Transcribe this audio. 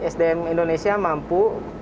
sdm indonesia mampu